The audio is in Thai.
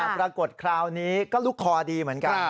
แต่ปรากฏคราวนี้ก็ลูกคอดีเหมือนกัน